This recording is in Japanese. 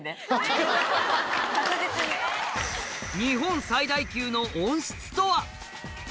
日本最大級の温室とは？